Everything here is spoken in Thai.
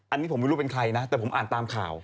อันนี้ผมไม่รู้เป็นใครนะแต่ผมอ่านตามข่าว